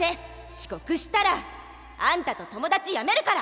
ちこくしたらあんたと友達やめるから。